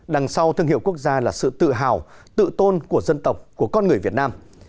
đằng sau thương hiệu quốc gia là sự tự hào tự tôn của dân tộc của con người việt nam